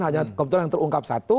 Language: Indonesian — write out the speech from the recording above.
hanya kebetulan yang terungkap satu